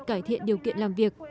cải thiện điều kiện làm việc